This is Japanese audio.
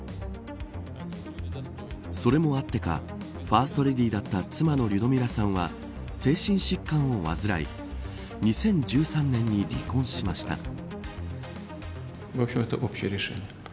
それもあってかファーストレディーだった妻のリュドミラさんは精神疾患を患い２０１３年に離婚しました。